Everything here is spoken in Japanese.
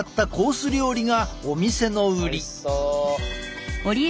料理がお店の売り。